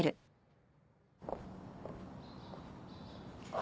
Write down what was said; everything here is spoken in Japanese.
あ。